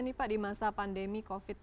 nih pak di masa pandemi covid